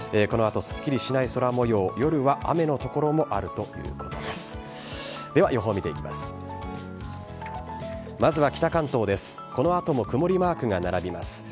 このあとも曇りマークが並びます。